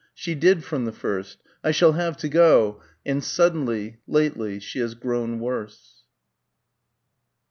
She did from the first.... I shall have to go ... and suddenly, lately, she has grown worse....